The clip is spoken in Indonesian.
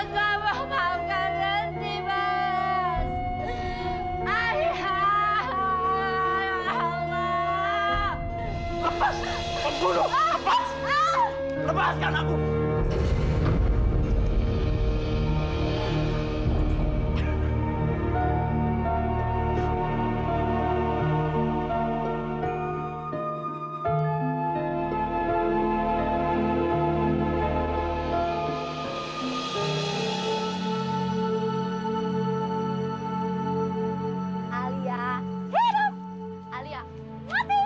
saya sudah banyak sed passiert di pikirkan saya mengerti ada avon k et